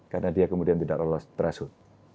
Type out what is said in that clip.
karena dia kemudian tidak lolos perasut